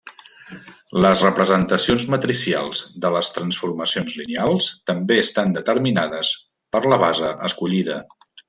Les representacions matricials de les transformacions lineals també estan determinades per la base escollida.